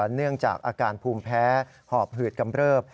เนื่องจากอาการภูมิแพ้หอบหืดกำเริบ